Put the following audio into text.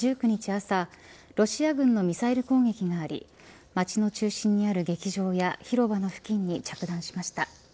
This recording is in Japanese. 朝ロシア軍のミサイル攻撃があり街の中心にある劇場や広場の付近に着弾しました。